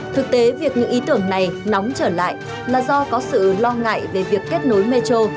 thực tế việc những ý tưởng này nóng trở lại là do có sự lo ngại về việc kết nối metro